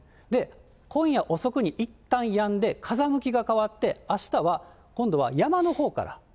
今夜遅くにいったんやんで、風向きが変わって、あしたは今度は山のほうから。